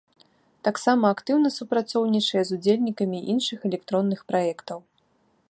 Таксама актыўна супрацоўнічае з удзельнікамі іншых электронных праектаў.